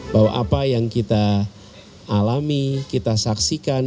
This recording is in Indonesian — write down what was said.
bahwa apa yang kita alami kita saksikan